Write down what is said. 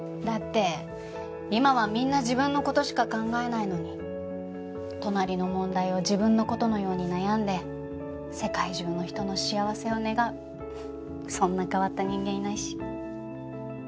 だって今はみんな自分の事しか考えないのに隣の問題を自分の事のように悩んで世界中の人の幸せを願うそんな変わった人間いないし。